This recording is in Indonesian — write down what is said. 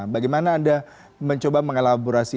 bagaimana anda mencoba mengelaborasi